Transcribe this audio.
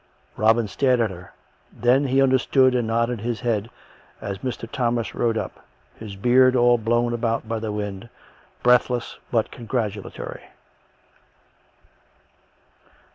Robin stared at her. Tlien he understood and nodded his head, as Mr. Thomas rode up, his beard all blown about by the wind, breathless but congratulatory.